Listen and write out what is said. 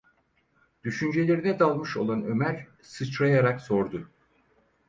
Düşüncelerine dalmış olan Ömer, sıçrayarak sordu: